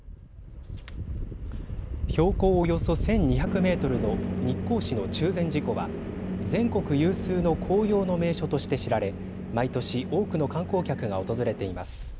標高およそ１２００メートルの日光市の中禅寺湖は全国有数の紅葉の名所として知られ毎年多くの観光客が訪れています。